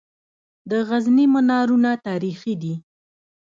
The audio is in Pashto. د غزني منارونه تاریخي دي